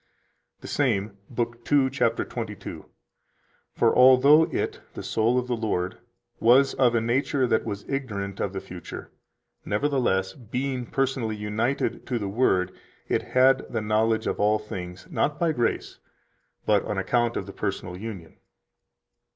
141 The same (lib. 2, cap. 22): "For although it (the soul of the Lord) was of a nature that was ignorant of the future, nevertheless, being personally united to the Word, it had the knowledge of all things, not by grace, but on account of the personal union."